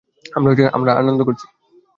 আমরা আনন্দ করছি।